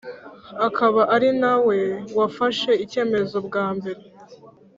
akaba ari nawe wafashe icyemzo bwa mbere